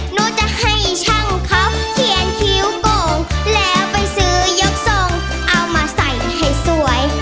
หนูจะให้ช่างเขาเขียนคิ้วโกงแล้วไปซื้อยกทรงเอามาใส่ให้สวย